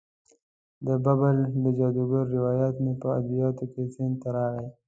د بابل د جادوګرانو روایت مې په ادبیاتو کې ذهن ته راغی.